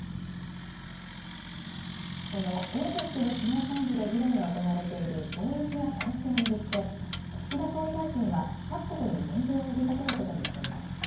そのＡＰＥＣの首脳会議で議論が行われている貿易や投資を巡って岸田総理大臣は各国に連携を呼びかけることにしています。